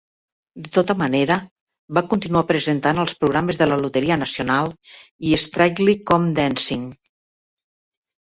De tota manera, va continuar presentant els programes de la Loteria Nacional i "Strictly Come Dancing".